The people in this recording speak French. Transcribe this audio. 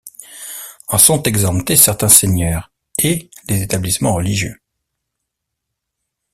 En sont exemptés certains seigneurs et les établissements religieux.